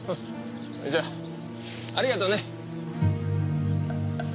じゃあありがとね。